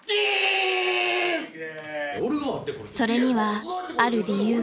［それにはある理由が］